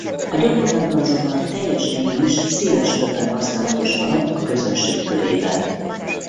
A gyakorlatban azonban a teljes név is széles körben használatos maradt a közönség körében.